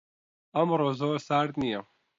ئەمڕۆ زۆر سارد نییە.